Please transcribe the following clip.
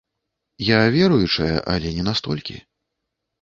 Я веруючая, але не настолькі.